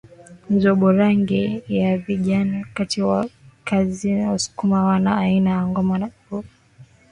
mzuborangi ya kijaniwakati wa kiangaziWasukuma wana aina ya ngoma za burudani